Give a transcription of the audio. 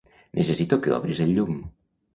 Necessito que obris el llum.